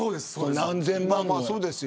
何千万も。